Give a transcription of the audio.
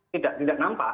tidak tidak nampak